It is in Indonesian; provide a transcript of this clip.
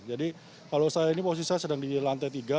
jadi kalau saya ini posisi saya sedang di lantai tiga